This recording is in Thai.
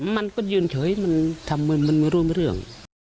มันก็ยืนเฉยมันทำมืนมันไม่รู้เรื่อง